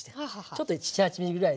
ちょっと７８ｍｍぐらいで。